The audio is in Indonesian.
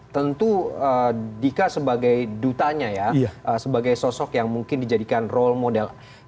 tentu dika sebagai dutanya ya sebagai sosok yang mungkin dijadikan role model